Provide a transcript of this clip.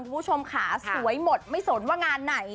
คุณผู้ชมค่ะสวยหมดไม่สนว่างานไหน